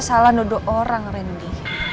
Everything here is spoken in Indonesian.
salah nuduh orang randy